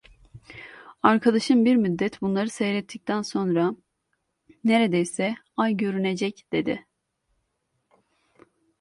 Arkadaşım bir müddet bunları seyrettikten sonra: "Neredeyse ay görünecek!" dedi.